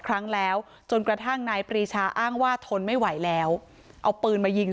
ครั้งแล้วจนกระทั่งนายปรีชาอ้างว่าทนไม่ไหวแล้วเอาปืนมายิง